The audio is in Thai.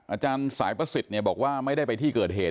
อาจารย์สายประสิทธิ์บอกว่าไม่ได้ไปที่เกิดเหตุ